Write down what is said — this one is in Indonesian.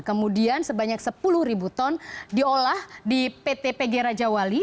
kemudian sebanyak sepuluh ribu ton diolah di pt pg raja wali